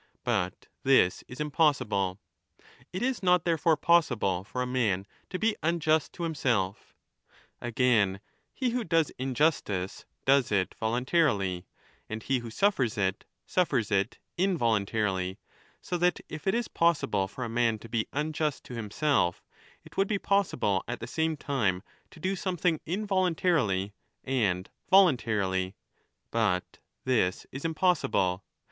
But this is impossible. It is not therefore possible for a man to be unjust to himself Again, he who does injustice does it voluntarily, and he who suffers it suffers it involuntarily, so that, if it is possible 15 for a man to be unjust to himself, it would be possible at the same time to do something involuntarily and volun tarily. But this is impossible.